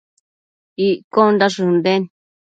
Iccondash ënden